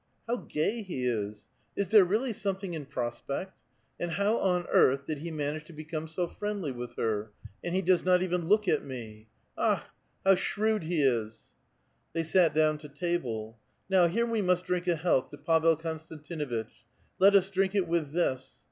(" How gay he is ! Is there really something in prospect? And how on earth did he manage to become so friendly with her ? And he does not even look at me. Akh I how shrewd he is !") Thev sat down to table. " Now, here we must drink a health to Pavel Konstan tinuitch. Let us drink it with this.